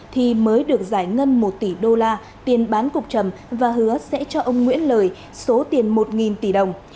thì mới được giải ngân một tỷ đô la tiền bán cục trầm và hứa sẽ cho ông nguyễn lời số tiền một tỷ đồng